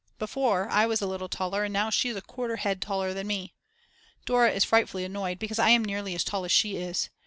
Before I was a little taller and now she is a quarter head taller than me. Dora is frightfully annoyed because I am nearly as tall as she is.